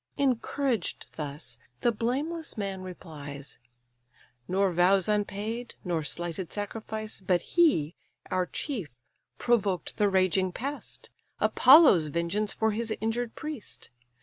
Encouraged thus, the blameless man replies: "Nor vows unpaid, nor slighted sacrifice, But he, our chief, provoked the raging pest, Apollo's vengeance for his injured priest.